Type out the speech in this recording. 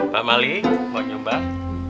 pak mali mau nyumbang